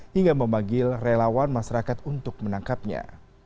hingga memanggil relawan masyarakat untuk menangkapnya